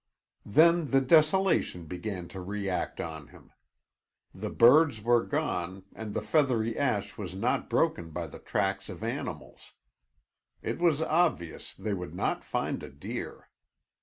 Then the desolation began to react on him. The birds were gone and the feathery ash was not broken by the tracks of animals. It was obvious they would not find a deer.